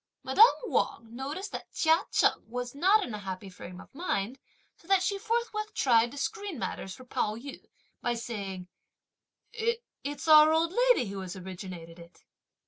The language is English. Madame Wang noticed that Chia Cheng was not in a happy frame of mind, so that she forthwith tried to screen matters for Pao yü, by saying: "It's our old lady who has originated it!"